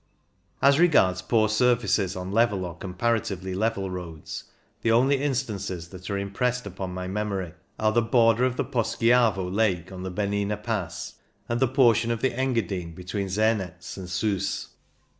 As regards poor surfaces on level or com paratively level roads, the only instances that are impressed upon fny memory are the border of the Poschiavo Lake on the Bernina Pass and the portion of the Enga dine between Zernetz and Siis.